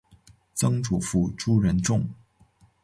曾祖父朱仁仲。